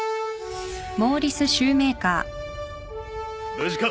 無事か？